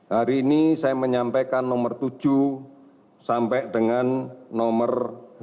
hari ini saya menyampaikan nomor tujuh sampai dengan nomor satu